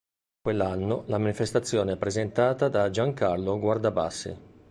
Quell'anno la manifestazione è presentata da Giancarlo Guardabassi.